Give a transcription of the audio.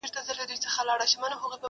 ښه دی ښه دی قاسم یار چي دېوانه دی.